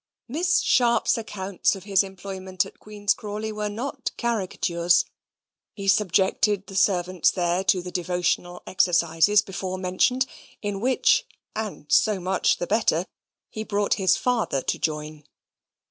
Miss Sharp's accounts of his employment at Queen's Crawley were not caricatures. He subjected the servants there to the devotional exercises before mentioned, in which (and so much the better) he brought his father to join.